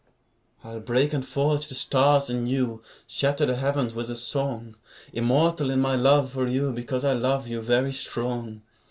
I'll break and forge the stars anew, Shatter the heavens with a song; Immortal in my love for you, Because I love you, very strong.